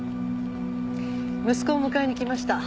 息子を迎えに来ました。